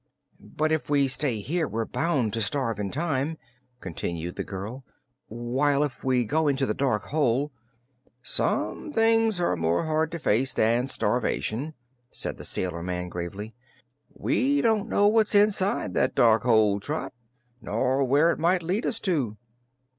"But if we stay here we're bound to starve in time," continued the girl, "while if we go into the dark hole " "Some things are more hard to face than starvation," said the sailor man, gravely. "We don't know what's inside that dark hole: Trot, nor where it might lead us to."